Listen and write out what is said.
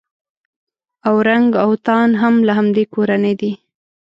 اورنګ اوتان هم له همدې کورنۍ دي.